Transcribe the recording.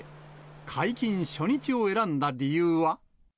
解禁初日を選んだ理由は。